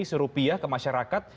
isu rupiah ke masyarakat